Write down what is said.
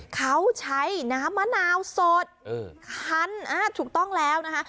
เขาใช้น้ำมะนาวสดคันถูกต้องแล้วนะคะ